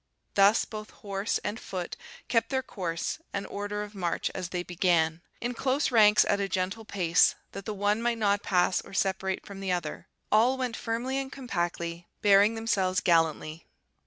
Thus both horse and foot kept their course and order of march as they began; in close ranks at a gentle pace, that the one might not pass or separate from the other. All went firmly and compactly, bearing themselves gallantly.